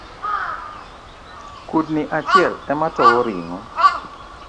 Kudni achielematowo ringo